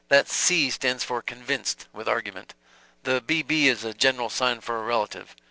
That 'C' stands for 'convinced,' with argument. The 'B. B.' is a general sign for a relative.